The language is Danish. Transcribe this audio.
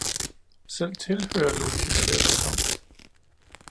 Selv tilhørerlogen er ved at være tom.